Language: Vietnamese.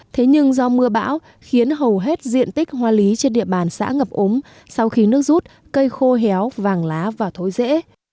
thế nhưng do mưa bão khiến hầu hết diện tích hoa lý trên địa bàn xã ngập ốm sau khi nước rút cây khô héo vàng lá và thối rễ